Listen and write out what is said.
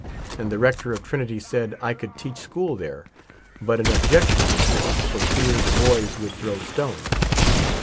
And the rector of Trinity said I could teach school there ; but an objection was made, for fear the boys would throw stones.